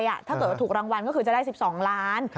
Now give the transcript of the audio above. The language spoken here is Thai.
ถ้าเกิดถูกรางวัลก็คือจะได้๑๒ล้าน